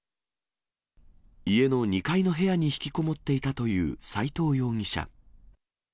家の２階の部屋に引きこもっていたという斎藤容疑者。